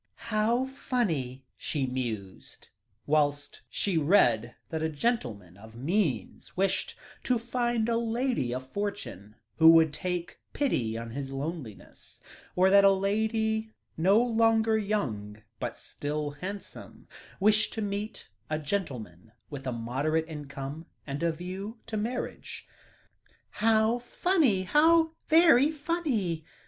"How funny," she mused, whilst she read that a gentleman of means wished to find a lady of fortune who would take pity on his loneliness; or that a lady no longer young, but still handsome, wished to meet a gentleman with a moderate income, with a view to marriage. "How funny how very funny!"